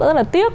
rất là tiếc